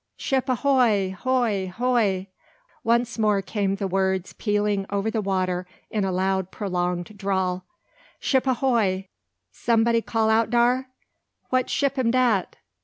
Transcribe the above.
"Ship ahoy hoy hoy!" once more came the words pealing over the water in a loud prolonged drawl. "Ship ahoy, some'dy call out dar? What ship am dat?